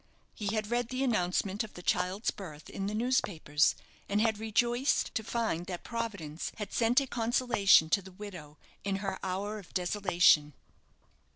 He had read the announcement of the child's birth in the newspapers, and had rejoiced to find that Providence had sent a consolation to the widow in her hour of desolation.